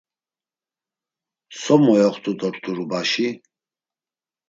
So moyoxt̆u dort̆u rubaşi?